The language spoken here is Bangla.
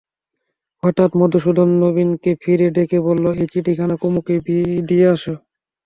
হঠাৎ মধুসূদন নবীনকে ফিরে ডেকে বললে, এই চিঠিখানা কুমুকে দিয়ে এসো।